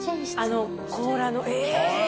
・甲羅のえ